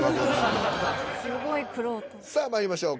さあまいりましょう。